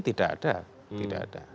tidak ada tidak ada